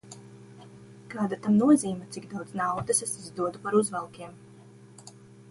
Kāda tam nozīme, cik daudz naudas es izdodu par uzvalkiem?